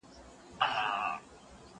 زه پرون سفر کوم!!